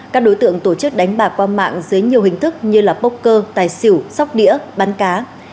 các đối tượng tổ chức đánh bạc qua mạng dưới nhiều hình thức như là bốc cơ tài xỉu sóc đĩa bán cá